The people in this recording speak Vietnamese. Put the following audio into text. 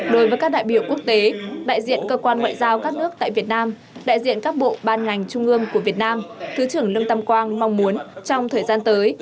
đối với các đại biểu quốc tế đại diện cơ quan ngoại giao các nước tại việt nam đại diện các bộ ban ngành trung ương của việt nam thứ trưởng lương tâm quang mong muốn trong thời gian tới